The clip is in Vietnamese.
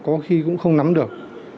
có khi cũng không nắm được